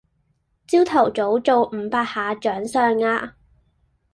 朝頭早做五百下掌上壓